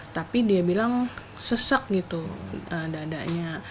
tapi dia bilang sesek gitu dadanya